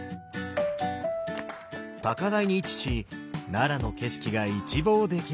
高台に位置し奈良の景色が一望できます。